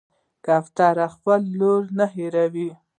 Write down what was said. کوتره خپل لوری نه هېروي.